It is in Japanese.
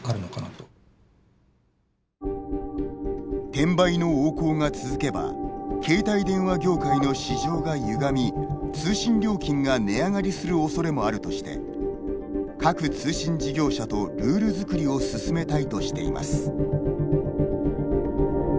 転売の横行が続けば携帯電話業界の市場がゆがみ通信料金が値上がりするおそれもあるとして各通信事業者とルール作りを進めたいとしています。